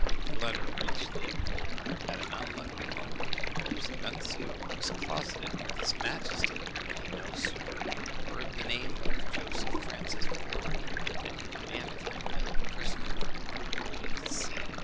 The letter reached Leopold at an unlucky moment. The pope's nuncio was closeted with his majesty; and he no sooner heard the name of Joseph Francis Borri, than he demanded him as a prisoner of the Holy See.